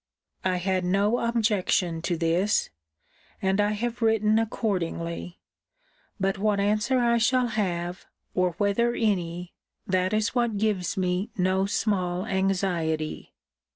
I had no objection to this: and I have written accordingly. But what answer I shall have, or whether any, that is what gives me no small anxiety.